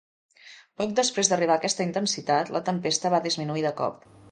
Poc després d'arribar a aquesta intensitat, la tempesta va disminuir de cop.